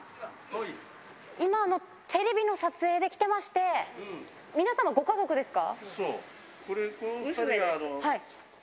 今、テレビの撮影で来てまして、皆様ご家族ですか？